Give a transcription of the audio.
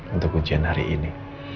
untuk ujian hari ini